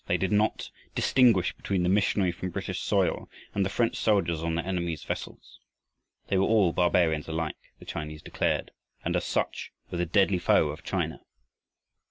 They did not distinguish between the missionary from British soil and the French soldiers on their enemy's vessels. They were all barbarians alike, the Chinese declared, and as such were the deadly foe of China.